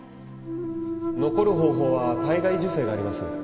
・残る方法は体外受精があります